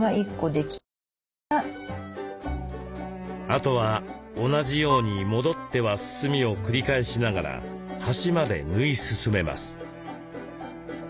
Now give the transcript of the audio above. あとは同じように戻っては進みを繰り返しながら端まで縫い進めます。